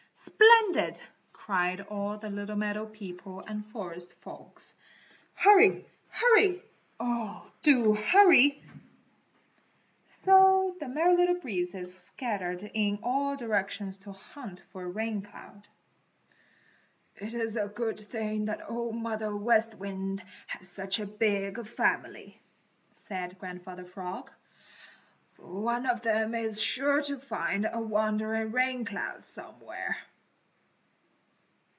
"Splendid!" cried all the little meadow people and forest folks. "Hurry! hurry! Oh, do hurry!" So the Merry Little Breezes scattered in all directions to hunt for a rain cloud. "It is a good thing that Old Mother West Wind has such a big family," said Grandfather Frog, "for one of them is sure to find a wandering rain cloud somewhere."